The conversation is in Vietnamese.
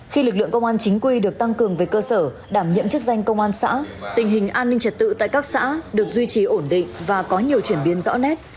khi lực lượng công an chính quy được tăng cường về cơ sở đảm nhiệm chức danh công an xã tình hình an ninh trật tự tại các xã được duy trì ổn định và có nhiều chuyển biến rõ nét